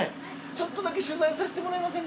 ちょっとだけ取材させてもらえませんかね？